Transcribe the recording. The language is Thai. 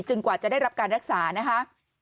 กว่าจะได้รับการรักษานะคะ